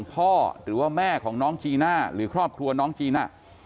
หรือว่าแม่ของน้องจีน่าหรือครอบครัวน้องจีน่า